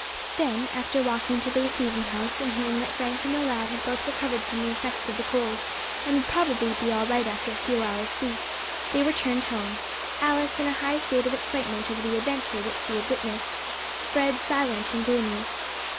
Then after walking to the receiving house, and hearing that Frank and the lad had both recovered from the effects of the cold, and would probably be all right after a few hours' sleep, they returned home, Alice in a high state of excitement over the adventure which she had witnessed, Fred silent and gloomy.